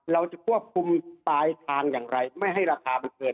เราจะควบคุมปลายทางอย่างไรไม่ให้ราคามันเกิน